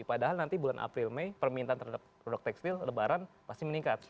padahal nanti bulan april mei permintaan terhadap produk tekstil lebaran pasti meningkat